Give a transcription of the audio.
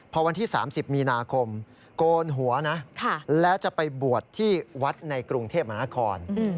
พอวันที่๓๐มีนาคมโกนหัวนะแล้วจะไปบวชที่วัดในกรุงเทพมหานคร